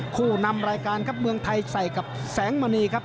คู่นำรายการครับเมืองไทยใส่กับแสงมณีครับ